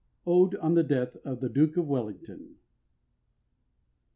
ODE ON THE DEATH OF THE DUKE OF WELLINGTON.